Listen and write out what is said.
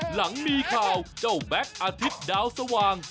หลังมีข่าวเจ้าแบ็คอาทิตย์ดาวสว่าง